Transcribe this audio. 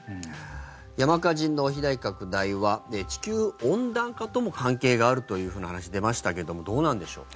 山火事の被害拡大は地球温暖化とも関係があるというふうな話出ましたけどどうなんでしょう？